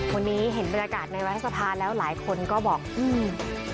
วันนี้เห็นบริการในวัยสะพานแล้วหลายคนก็บอกอืม